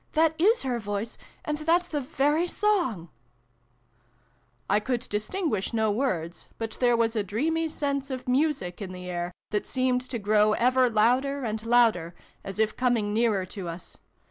" That is her voice, and that's the very song !" I could distinguish no words, but there was a dreamy sense of music in the air that seemed to grow ever louder and louder, as if coming nearer to us.